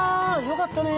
よかった！